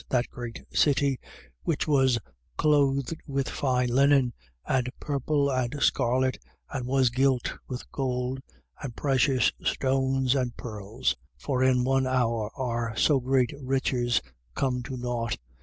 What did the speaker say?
that great city, which was clothed with fine linen and purple and scarlet and was gilt with gold and precious stones and pearls. 18:17. For in one hour are so great riches come to nought.